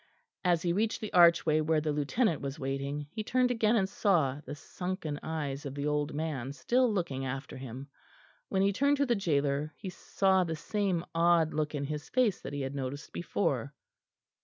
As he reached the archway where the Lieutenant was waiting, he turned again and saw the sunken eyes of the old man still looking after him; when he turned to the gaoler he saw the same odd look in his face that he had noticed before.